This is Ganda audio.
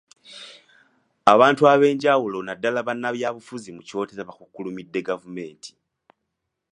Abantu ab’enjawulo naddala bannabyabufuzi mu Kyotera bakukkulumidde gavumenti.